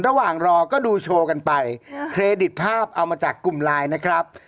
ระหว่างรอก็ดูโชว์กันไปเครดิตภาพเอามาจากกลุ่มไลน์นะครับ